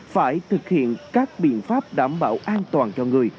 phải thực hiện các biện pháp đảm bảo an toàn cho người